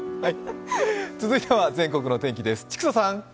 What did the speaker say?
続いては全国の天気です。